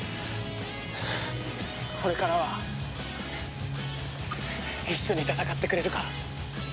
これからは一緒に戦ってくれるか？